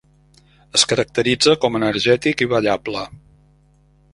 Es caracteritza com energètic i ballable.